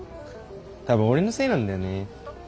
多分俺のせいなんだよね。